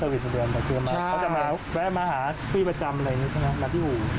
เขาจะมาแวะมาหาพี่ประจำอะไรอย่างนี้ใช่ไหมมาที่อู่